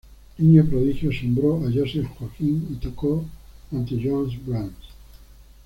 Niño prodigio, asombró a Joseph Joachim y tocó ante Johannes Brahms.